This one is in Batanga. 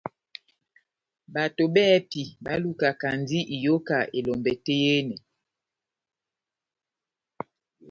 Bato bɛ́hɛ́pi balukakandini iyoka elombɛ tɛ́h yehenɛ.